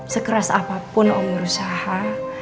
sekeras apapun om berusaha